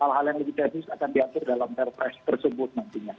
hal hal yang lebih teknis akan diatur dalam perpres tersebut nantinya